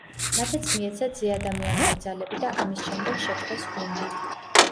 მათაც მიეცათ ზეადამიანური ძალები და ამის შემდეგ შეკრეს გუნდი.